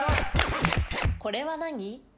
これは何？